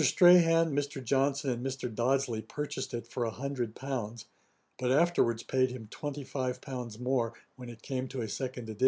Strahan, Mr. Johnston, and Mr. Dodsley purchased it for a hundred pounds, but afterwards paid him twenty five pounds more, when it came to a second edition.